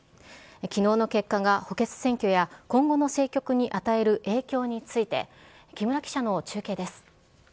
きのうの結果が補欠選挙や、今後の政局に与える影響について、木村記者の中継です。